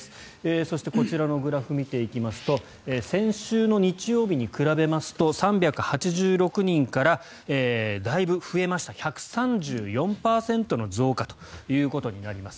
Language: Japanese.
そしてこちらのグラフを見ていきますと先週の日曜日に比べますと３８６人からだいぶ増えました、１３４％の増加ということになります。